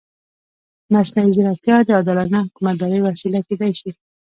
مصنوعي ځیرکتیا د عادلانه حکومتدارۍ وسیله کېدای شي.